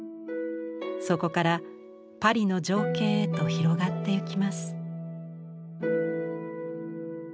そこからパリの情景へと広がっていきます。